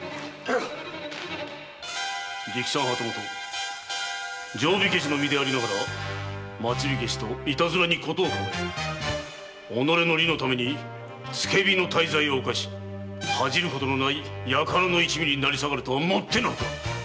直参旗本定火消しの身でありながら町火消しと徒にことを構え己の利のために付け火の大罪を犯し恥じることのない輩の一味に成り下がるとはもってのほか！